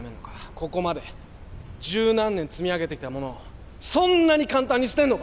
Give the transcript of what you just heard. ここまで十何年積み上げてきたものをそんなに簡単に捨てるのか！